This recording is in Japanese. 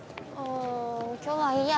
んん今日はいいや。